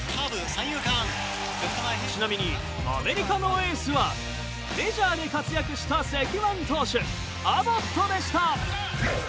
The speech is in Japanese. ちなみにアメリカのエースはメジャーで活躍した隻腕投手アボットでした。